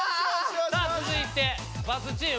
さあ続いて×チーム